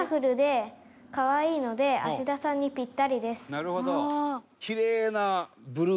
なるほど。